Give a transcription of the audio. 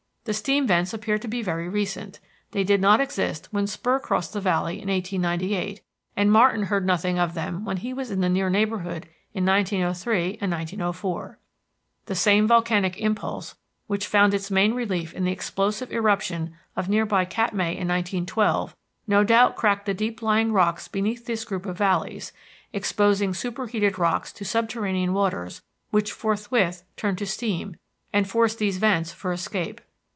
The steam vents appear to be very recent. They did not exist when Spurr crossed the valley in 1898, and Martin heard nothing of them when he was in the near neighborhood in 1903 and 1904. The same volcanic impulse which found its main relief in the explosive eruption of near by Katmai in 1912 no doubt cracked the deep lying rocks beneath this group of valleys, exposing superheated rocks to subterranean waters which forthwith turned to steam and forced these vents for escape.